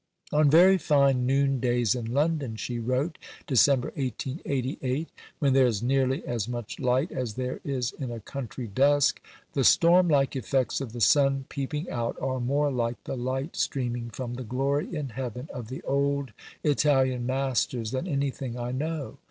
"On very fine noondays in London," she wrote (Dec. 1888), "when there is nearly as much light as there is in a country dusk, the storm like effects of the sun peeping out are more like the light streaming from the Glory in Heaven of the old Italian Masters than anything I know.